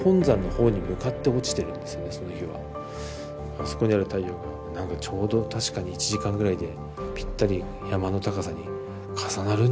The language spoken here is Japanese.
あそこにある太陽が何かちょうど確かに１時間ぐらいでぴったり山の高さに重なるんじゃないかな